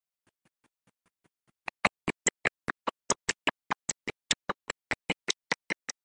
Having considered the proposal to be unconstitutional, the committee rejected it.